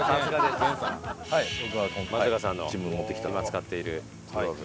松坂さんの今使っているグローブ。